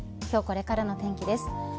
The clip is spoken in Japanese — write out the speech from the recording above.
今日これからの天気です。